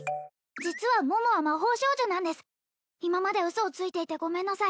実は桃は魔法少女なんです今まで嘘をついていてごめんなさい